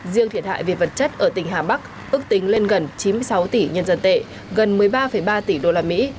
riêng thiệt hại việt vật chất ở tỉnh hà bắc ước tính lên gần chín mươi sáu tỷ nhân dân tệ gần một mươi ba ba tỷ usd